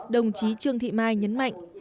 đồng chí trương thị mai nhấn mạnh